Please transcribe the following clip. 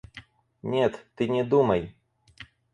Нет, ты не думай.